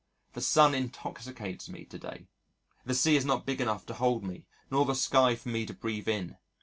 The sun intoxicates me to day. The sea is not big enough to hold me nor the sky for me to breathe in.